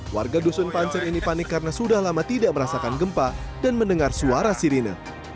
warga dusun pancer ini panik karena sudah lama tidak merasakan gempa dan mendengar suara sirine